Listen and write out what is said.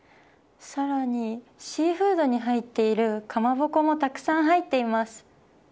更に、シーフードに入っているかまぼこもたくさん入っています。